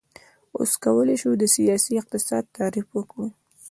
اوس کولی شو د سیاسي اقتصاد تعریف وکړو.